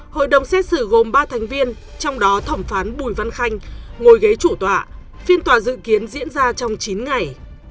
hội đồng xét xử gồm ba thành viên trong đó thẩm phán bùi văn khanh ngồi ghế chủ tọa phiên tòa dự kiến diễn ra trong chín ngày